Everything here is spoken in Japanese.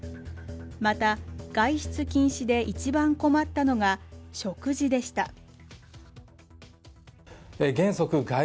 また、外出禁止で一番困ったのが食事でした。